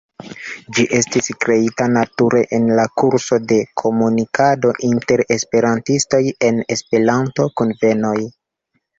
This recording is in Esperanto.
Ĝi estis kreita nature en la kurso de komunikado inter Esperantistoj en Esperanto-kunvenoj.